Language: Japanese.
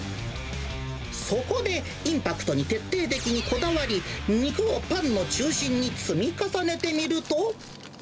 そこで、インパクトに徹底的にこだわり、肉をパンの中心に積み重ねてみると。